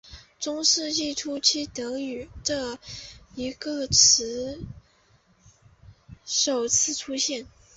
中世纪初期德语这个词首次出现。